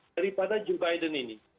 daripada joe biden ini